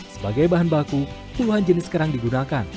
sebagai bahan baku puluhan jenis kerang digunakan